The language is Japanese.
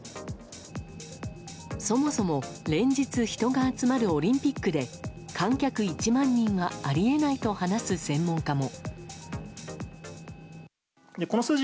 そもそも、連日人が集まるオリンピックで観客１万人はあり得ないと話す専門家も。